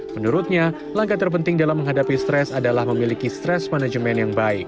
menurutnya langkah terpenting dalam menghadapi stres adalah memiliki stres management yang baik